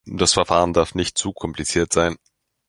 Das Verfahren darf nicht zu kompliziert sein.